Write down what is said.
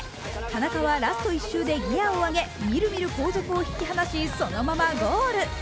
田中はラスト１週でギヤを上げみるみる後続を引き離しそのままゴール。